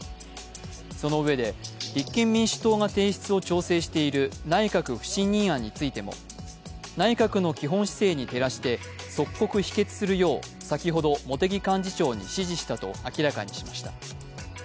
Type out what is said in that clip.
その上で、立憲民主党が提出を超背している内閣不信任案についても内閣の基本姿勢に照らして即刻否決するよう先ほど茂木幹事長に指示したと明らかにしました。